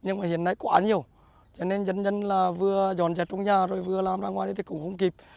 nhưng mà hiện nay quá nhiều cho nên dân dân là vừa dọn dẹp trong nhà rồi vừa làm ra ngoài thì cũng không kịp